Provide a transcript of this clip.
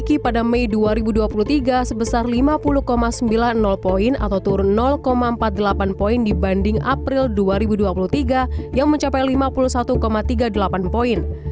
di mei dua ribu dua puluh tiga sebesar lima puluh sembilan puluh poin atau turun empat puluh delapan poin dibanding april dua ribu dua puluh tiga yang mencapai lima puluh satu tiga puluh delapan poin